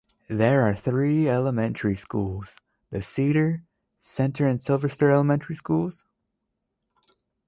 There are three elementary schools, the Cedar, Center and Sylvester Elementary Schools.